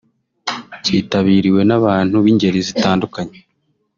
cyitabiriwe n’abantu b’ingeri zitandukanye